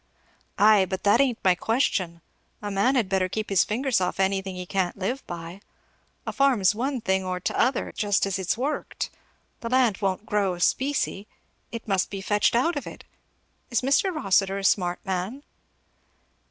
"Ay, but that ain't my question. A man had better keep his fingers off anything he can't live by. A farm's one thing or t'other, just as it's worked. The land won't grow specie it must be fetched out of it. Is Mr. Rossitur a smart man?"